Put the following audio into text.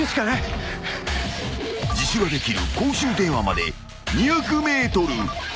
［自首ができる公衆電話まで２００ｍ］